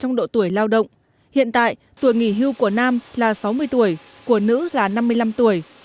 trong độ tuổi lao động hiện tại tuổi nghỉ hưu của nam là sáu mươi tuổi của nữ là năm mươi năm tuổi